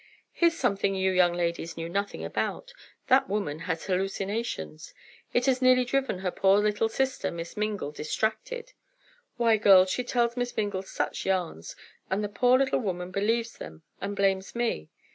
"Here's something you young ladies knew nothing about—that woman has hallucinations! It has nearly driven her poor little sister, Miss Mingle, distracted. Why, girls, she tells Miss Mingle such yarns, and the poor little woman believes them and blames me."